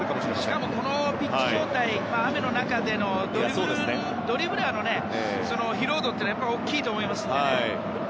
しかもこのピッチ状態雨の中で、ドリブラーの疲労度というのは大きいと思いますからね。